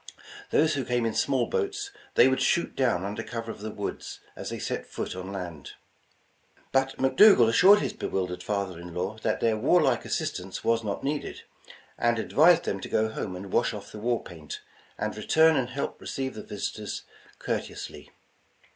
Those who came in small boats they would shoot down under cover of the woods as they set foot on land. But McDougal assured his bewildered father in law 223 The Original John Jacob Astor that their war like assistance was not needed, and ad vised them to go home and wash off the war paint, and return and help receive the visitors courteously.